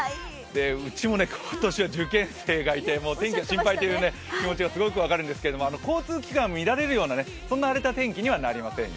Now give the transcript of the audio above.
うちも今年は受験生がいて天気が心配という気持ち、すごく分かるんですけど交通機関乱れるような、そんな荒れた天気にはなりませんよ。